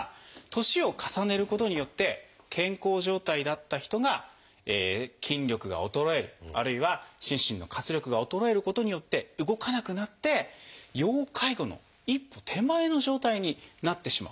年を重ねることによって健康状態だった人が筋力が衰えるあるいは心身の活力が衰えることによって動かなくなって要介護の一歩手前の状態になってしまう。